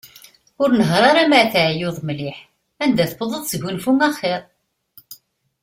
Ur nehher ara mi ara teɛyuḍ mliḥ, anda tewḍeḍ, sgunfu axir.